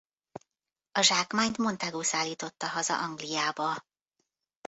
A zsákmányt Montagu szállította haza Angliába.